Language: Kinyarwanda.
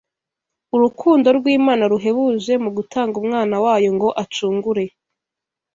Urukundo rw’Imana ruhebuje, mu gutanga umwana wayo ngo acungure